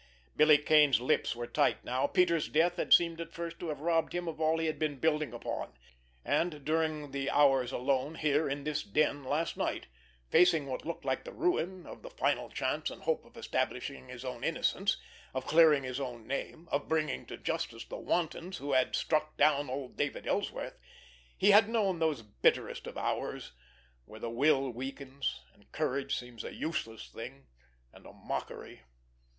Billy Kane's lips were tight now. Peters' death had seemed at first to have robbed him of all he had been building upon; and during the hours alone here in this den last night, facing what looked like the ruin of the final chance and hope of establishing his own innocence, of clearing his own name, of bringing to justice the wantons who had struck down old David Ellsworth, he had known those bitterest of hours where the will weakens, and courage seems a useless thing and a mockery.